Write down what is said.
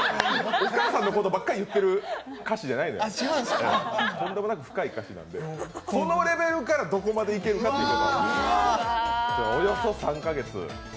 お母さんのことばっか言ってる歌詞じゃないです、とんでもなく深い歌詞なんでこのレベルからどこまでいけるか、およそ３か月。